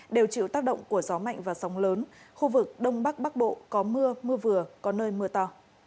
đông bắc bắc bộ có mưa mưa vừa có nơi mưa to